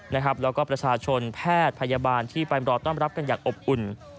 แล้วก็ประชาชนแพทย์พยาบาลที่ไปรอต้อนรับกันอย่างอบอุ่น